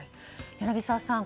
柳澤さん